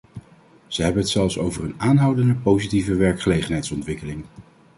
Ze hebben het zelfs over een aanhoudende positieve werkgelegenheidsontwikkeling.